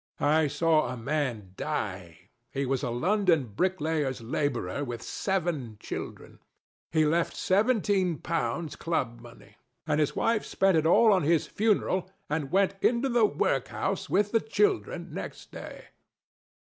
I saw a man die: he was a London bricklayer's laborer with seven children. He left seventeen pounds club money; and his wife spent it all on his funeral and went into the workhouse with the children next day.